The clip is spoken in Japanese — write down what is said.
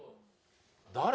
誰？